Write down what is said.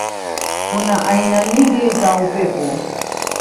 Kuna aina nyingi za upepo.